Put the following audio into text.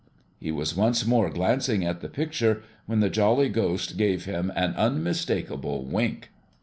He was once more glancing at the picture, when the jolly Ghost gave him an unmistakable wink.